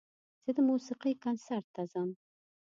زه د موسیقۍ کنسرت ته ځم.